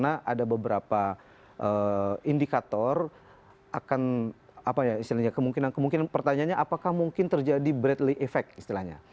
ya jadi kita sudah mencari beberapa indikator akan apa ya istilahnya kemungkinan pertanyaannya apakah mungkin terjadi bradley effect istilahnya